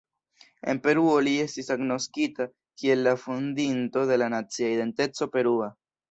En Peruo li estis agnoskita kiel la fondinto de la nacia identeco perua.